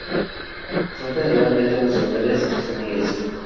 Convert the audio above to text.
Son generalmente musulmanes suníes.